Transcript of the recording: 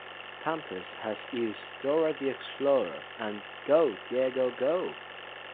Pampers has used "Dora the Explorer", and "Go Diego Go!